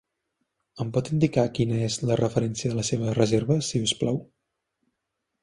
Em pot indicar quina és la referència de la seva reserva, si us plau?